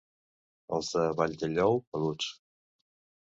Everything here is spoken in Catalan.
Els de Valldellou, peluts.